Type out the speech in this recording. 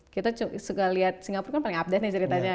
kita suka lihat singapura kan paling up to date ceritanya